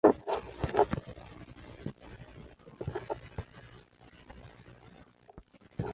谭芷翎是香港戏剧演员。